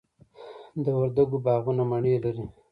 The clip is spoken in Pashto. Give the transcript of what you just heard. د وردګو باغونه مڼې لري.